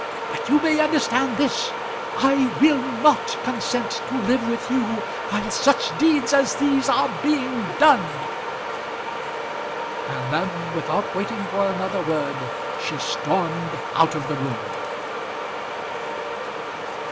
But you may understand this; I will not consent to live with you while such deeds as these are being done." And then without waiting for another word, she stormed out of the room.